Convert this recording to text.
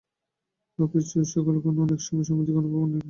Office, ঐ সকল ক্ষণ অনেক সময় সমধিক অনুভব আনয়ন করে।